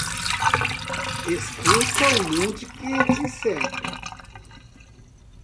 escuta o mundo que te cerca